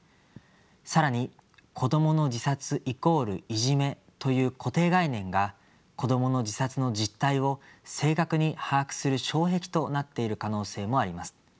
更に「子どもの自殺＝いじめ」という固定概念が子どもの自殺の実態を正確に把握する障壁となっている可能性もあります。